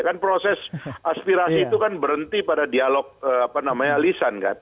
kan proses aspirasi itu kan berhenti pada dialog alisan kan